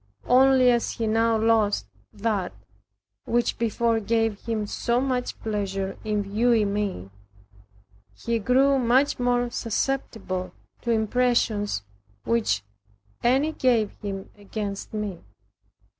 Only as he now lost that, which before gave him so much pleasure in viewing me, he grew much more susceptible to impressions which any gave him against me.